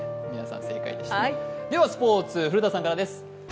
ではスポーツ、古田さんからです。